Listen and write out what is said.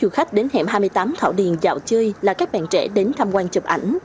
du khách đến hẻm hai mươi tám thảo điền dạo chơi là các bạn trẻ đến tham quan chụp ảnh